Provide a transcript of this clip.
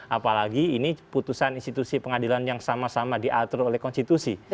apalagi ini putusan institusi pengadilan yang sama sama diatur oleh konstitusi